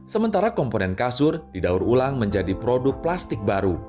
sementara komponen kasur didaur ulang menjadi produk plastik baru